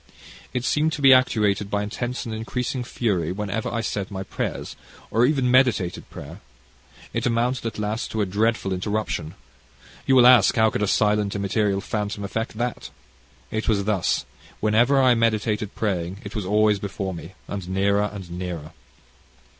It seemed to be actuated by intense and increasing fury, whenever I said my prayers, or even meditated prayer. It amounted at last to a dreadful interruption. You will ask, how could a silent immaterial phantom effect that? It was thus, whenever I meditated praying; It was always before me, and nearer and nearer.